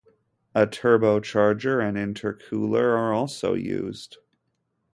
A turbocharger and intercooler are also used.